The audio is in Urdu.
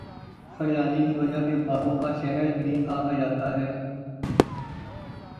ہریالی کی وجہ سے باغوں کا شہر بھی کہا جاتا ہے